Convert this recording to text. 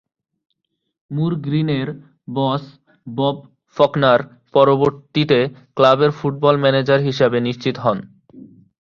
মুর গ্রীনের boss Bob Faulkner পরবর্তীতে ক্লাবের ফুটবল ম্যানেজার হিসেবে নিশ্চিত হন।